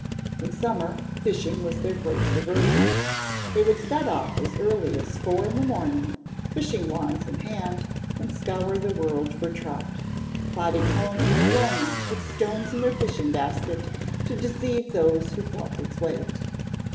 In summer, fishing was their great diversion. They would set off as early as four in the morning, fishing wands in hand, and scour the world for trout, plodding home in the gloaming with stones in their fishing basket to deceive those who felt its weight.